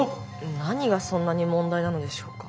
何がそんなに問題なのでしょうか？